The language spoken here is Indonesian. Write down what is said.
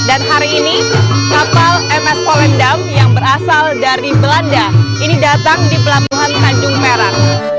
dan hari ini kapal ms volendam yang berasal dari belanda ini datang di pelabuhan tanjung perak